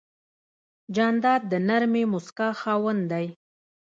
جانداد د نرمې موسکا خاوند دی.